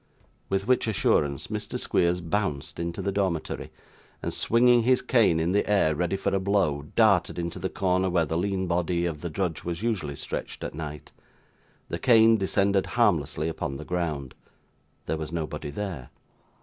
With which assurance, Mr. Squeers bounced into the dormitory, and, swinging his cane in the air ready for a blow, darted into the corner where the lean body of the drudge was usually stretched at night. The cane descended harmlessly upon the ground. There was nobody there.